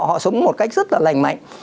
họ sống một cách rất là lành mạnh